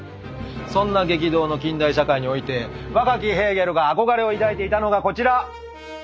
そんな激動の近代社会において若きヘーゲルが憧れを抱いていたのがこちら。